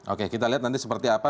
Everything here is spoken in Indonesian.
oke kita lihat nanti seperti apa